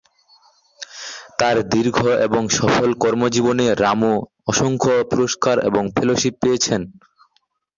তার দীর্ঘ এবং সফল কর্মজীবনে, রামো অসংখ্য পুরস্কার এবং ফেলোশিপ পেয়েছেন।